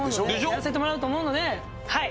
やらせてもらうと思うのではい。